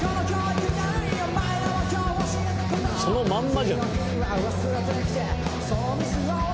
そのまんまじゃん。